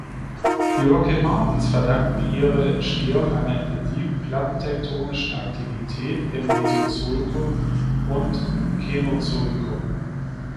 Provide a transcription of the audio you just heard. Die Rocky Mountains verdanken ihre Entstehung einer intensiven plattentektonischen Aktivität im Mesozoikum und Känozoikum.